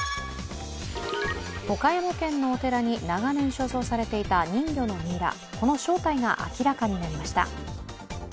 岡山県のお寺に長年、所蔵されていた人魚のミイラこの正体が明らかになりました。